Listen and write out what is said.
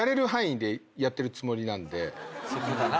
そこだな。